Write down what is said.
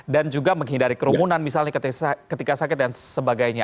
dan juga menghindari kerumunan misalnya ketika sakit dan sebagainya